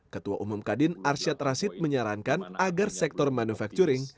ketua umum kadin arsyad rashid menyarankan agar sektor manufacturing